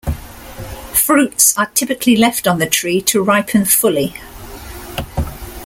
Fruits are typically left on the tree to ripen fully.